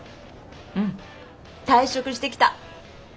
うん退職してきた！